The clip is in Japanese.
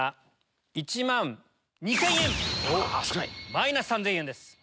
マイナス３０００円です。